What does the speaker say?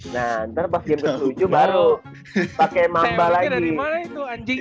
nah ntar pas game ke tujuh baru pake mamba lagi